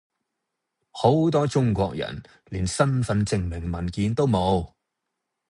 好多中國人連身份證明文件都冇